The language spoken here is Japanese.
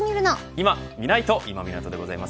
今、見ないと今湊でございます。